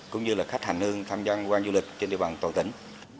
cũng như là khách hành hương tham gia quan du lịch trên địa bàn toàn tỉnh